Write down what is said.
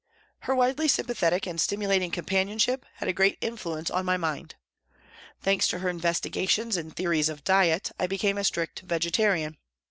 Her widely sympathetic and stimulating companionship had a great influence on my mind. Thanks to her investigations in theories of diet, I became a strict vegetarian.